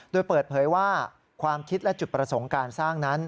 โดยเปิดเผยว่าความคิดและจุดประสงค์การสร้างนั้น